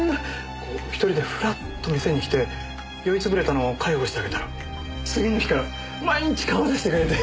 こう１人でフラッと店に来て酔い潰れたのを介抱してあげたら次の日から毎日顔を出してくれて！